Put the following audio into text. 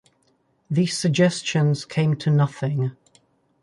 These suggestions came to nothing.